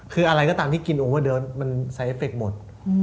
คืออะไรก็ตามที่กินโอเวอร์เดิร์สมันใช้เอฟเฟคหมด